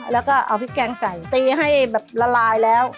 แล้วก็เอาพริกแกงใส่ตีให้แบบละลายแล้ว